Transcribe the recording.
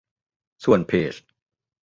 ส่วนเพจ